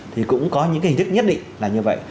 thì cũng có những hình thức nhất định là như vậy